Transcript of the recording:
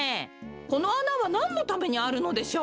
このあなはなんのためにあるのでしょう？